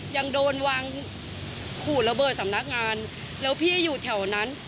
ยังโดนวางขูดระเบิดสำนักงานแล้วพี่อยู่แถวนั้น